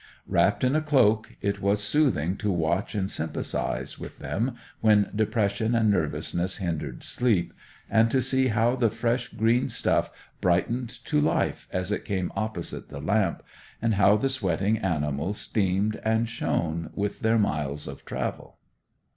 Wrapped in a cloak, it was soothing to watch and sympathize with them when depression and nervousness hindered sleep, and to see how the fresh green stuff brightened to life as it came opposite the lamp, and how the sweating animals steamed and shone with their miles of travel.